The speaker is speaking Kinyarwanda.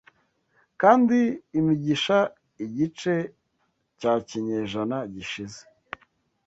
Kandi imigisha igice cyakinyejana gishize